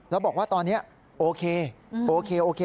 แล้วบอกว่าตอนนี้โอเคโอเคโอเค